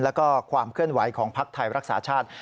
แล้วก็ความเคลื่อนไหวของภักดิ์ไทยรักษาชาติ